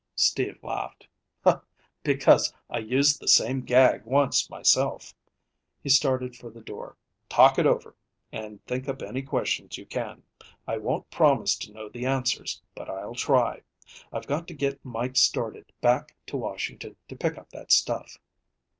Steve laughed. "Because I used the same gag once myself." He started for the door. "Talk it over, and think up any questions you can. I won't promise to know the answers, but I'll try. I've got to get Mike started back to Washington to pick up that stuff."